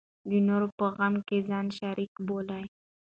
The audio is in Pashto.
د نورو په غم کې ځان شریک بولو.